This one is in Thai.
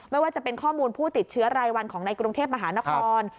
ไม่ว่าจะเป็นข้อมูลผู้ติดเชื้อรายวันของในกรุงเทพมหานคร